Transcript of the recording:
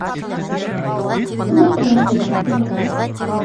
Ҡунаҡта ла тиҙ иҫерә